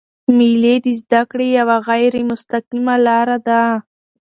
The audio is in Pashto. مېلې د زدهکړي یوه غیري مستقیمه لاره ده.